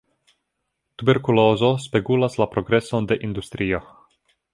Tuberkulozo spegulas la progreson de industrio.